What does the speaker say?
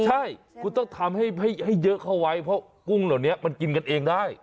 ใช่คุณต้องทำให้เยอะเข้าไว้เพราะกุ้งเหล่านี้มันกินกันเองได้